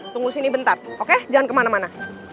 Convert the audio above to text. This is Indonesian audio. tunggu sini bentar oke jangan kemana mana